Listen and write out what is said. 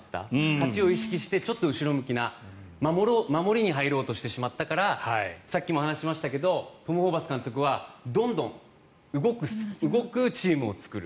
勝ちを意識してちょっと後ろ向きな守りに入ろうとしてしまったからさっきもお話ししましたけどトム・ホーバス監督はどんどん動くチームを作る。